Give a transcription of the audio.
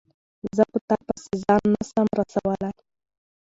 زه په تا پسي ځان نه سم رسولای